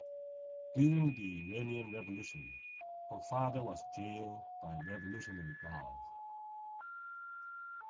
During the Iranian revolution her father was jailed by revolutionary guards.